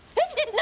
何？